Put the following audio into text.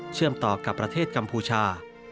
เชื่อมต่อกับประเทศกัมพูชา